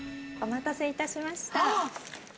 お待たせいたしました。